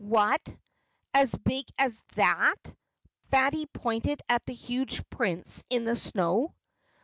"What as big as that?" Fatty pointed at the huge prints in the snow.